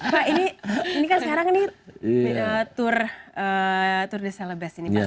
pak ini kan sekarang ini tur de salabas ini pak